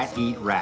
ia adalah perang